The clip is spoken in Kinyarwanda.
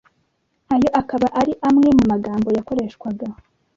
Ayo akaba ari amwe mu magambo yakoreshwaga